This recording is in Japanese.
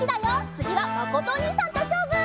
つぎはまことおにいさんとしょうぶ！